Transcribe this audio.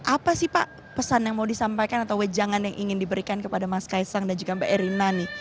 apa sih pak pesan yang mau disampaikan atau wejangan yang ingin diberikan kepada mas kaisang dan juga mbak erina nih